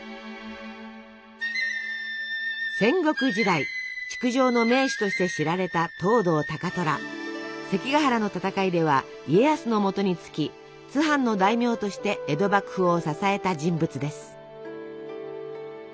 戦国時代築城の名手として知られた関ヶ原の戦いでは家康のもとにつき津藩の大名として江戸幕府を支えた人物です。